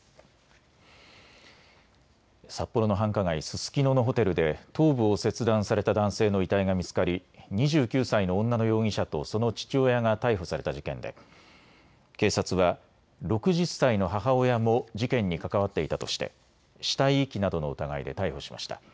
札幌の繁華街、ススキノのホテルで頭部を切断された男性の遺体が見つかり２９歳の女の容疑者とその父親が逮捕された事件で警察は６０歳の母親も事件に関わっていたとして死体遺棄などの疑いで逮捕しました。